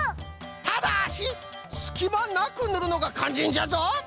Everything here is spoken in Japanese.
ただしすきまなくぬるのがかんじんじゃぞ。